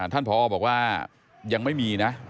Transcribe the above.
ท่านผอบอกว่ายังไม่มีนะ